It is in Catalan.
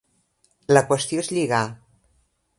La qüestió és lligar.